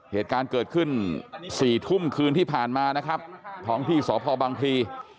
เหตุการณ์เกิดขึ้น๔ทุ่มคืนที่ผ่านมานะครับท้องที่สพบังพลี